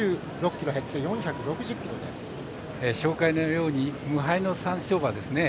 紹介のように無敗の３勝馬ですね。